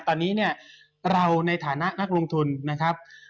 ตอนนี้เนี่ยเราในฐานะนักลงทุนนะครับ